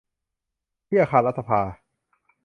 ที่อาคารรัฐสภา